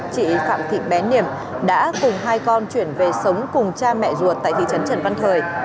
chị phạm thị bén niềm đã cùng hai con chuyển về sống cùng cha mẹ ruột tại thị trấn trần văn thời